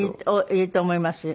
いると思いますよ。